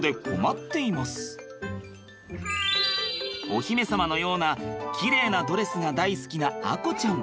お姫様のようなきれいなドレスが大好きな亜瑚ちゃん。